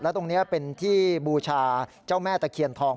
ตรงนี้เป็นที่บูชาเจ้าแม่ตะเคียนทอง